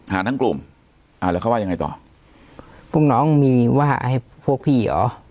ทั้งกลุ่มอ่าแล้วเขาว่ายังไงต่อพวกน้องมีว่าให้พวกพี่เหรอ